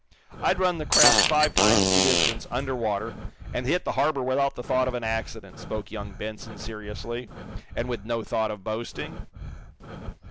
"I'd run the craft five times the distance, under water, and hit the harbor without thought of an accident," spoke young Benson, seriously, and with no thought of boasting.